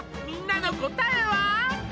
みんなの答えは？